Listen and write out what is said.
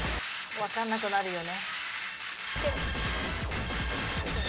分かんなくなるよね。